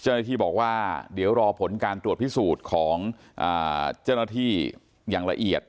เจ้าหน้าที่บอกว่าเดี๋ยวรอผลการตรวจพิสูจน์ของเจ้าหน้าที่อย่างละเอียด